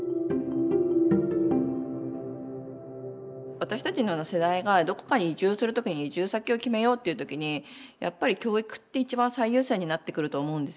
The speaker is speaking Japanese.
私たちのような世代がどこかに移住するときに移住先を決めようっていうときにやっぱり教育って一番最優先になってくると思うんですよ。